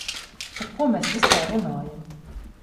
Par ko mēs vispār runājam?